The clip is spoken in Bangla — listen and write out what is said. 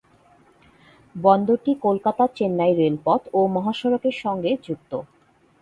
বন্দরটি কলকাতা-চেন্নাই রেলপথ ও মহাসড়কের সঙ্গে যুক্ত।